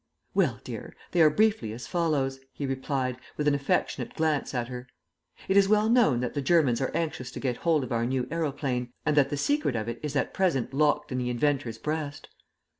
"Well, dear, they are briefly as follows," he replied, with an affectionate glance at her. "It is well known that the Germans are anxious to get hold of our new aeroplane, and that the secret of it is at present locked in the inventor's breast.